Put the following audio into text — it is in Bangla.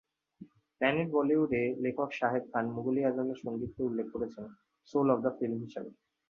প্ল্যানেট বলিউড-এ, লেখক শাহেদ খান মুঘল-ই-আজম-এর সংগীতকে উল্লেখ করেছেন "সোল অফ দ্য ফিল্ম" হিসেবে।